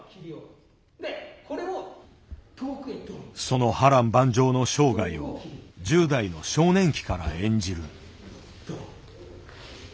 その波乱万丈の生涯を１０代の少年期から演じる。